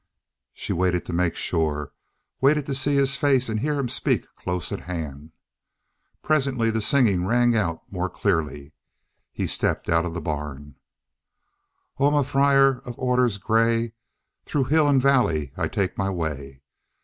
She waited to make sure, waited to see his face and hear him speak close at hand. Presently the singing rang out more clearly. He had stepped out of the barn. Oh, I am a friar of orders gray, Through hill and valley I take my way.